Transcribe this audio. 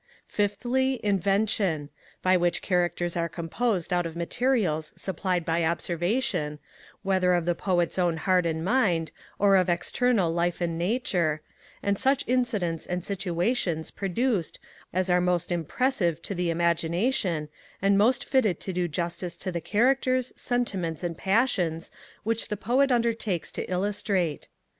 5thly, Invention, by which characters are composed out of materials supplied by observation; whether of the Poet's own heart and mind, or of external life and nature; and such incidents and situations produced as are most impressive to the imagination, and most fitted to do justice to the characters, sentiments, and passions, which the Poet undertakes to illustrate.